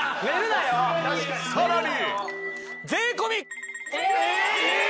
さらに！